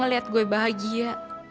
melihat gue bahagia